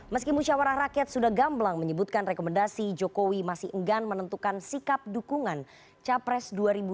meski musyawarah rakyat sudah gamblang menyebutkan rekomendasi jokowi masih enggan menentukan sikap dukungan capres dua ribu dua puluh